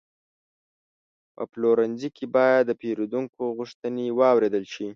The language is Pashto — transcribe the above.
په پلورنځي کې باید د پیرودونکو غوښتنې واورېدل شي.